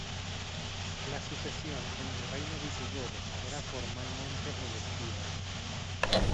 La sucesión en el reino visigodo era formalmente electiva.